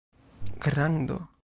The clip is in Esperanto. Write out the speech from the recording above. grado